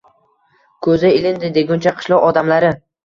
Ko‘zi ilindi deguncha qishloq odamlari